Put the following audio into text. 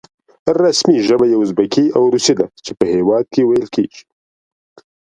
رسمي ژبه یې ازبکي او روسي ده چې په هېواد کې ویل کېږي.